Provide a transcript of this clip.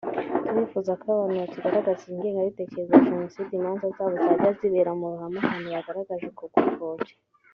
Turifuza ko abo bantu bakigaragaza ingengabitekerezo ya Jenoside imanza zabo zajya zibera mu ruhame ahantu bagaragarije uko gupfobya